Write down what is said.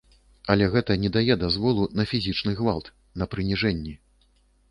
Але гэта не дае дазволу на фізічны гвалт, на прыніжэнні.